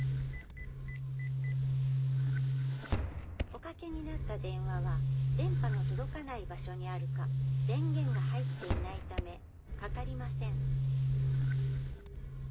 「おかけになった電話は電波の届かない場所にあるか電源が入っていないためかかりません」。